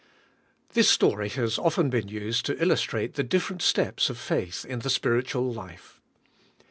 This story has often been used to illustrate the different steps of faith in the spiritual life.